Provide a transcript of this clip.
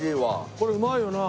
これうまいよなあ。